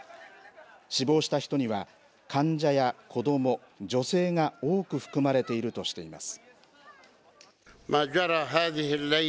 死亡した人には、患者や子ども、女性が多く含まれているとしています。